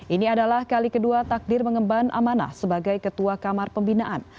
ini adalah kali kedua takdir mengemban amanah sebagai ketua kamar pembinaan